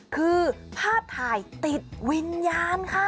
คือภาพถ่ายติดวิญญาณค่ะ